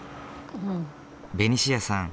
ベニシアさん